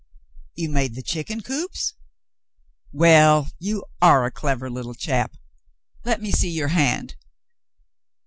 "You made the chicken coops ? Well, you are a clever little chap. Let me see your hand."